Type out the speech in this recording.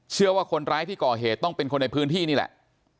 เชื่อว่าคนร้ายที่ก่อเหตุต้องเป็นคนในพื้นที่นี่แหละ